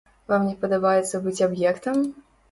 Вам не падабаецца быць аб'ектам?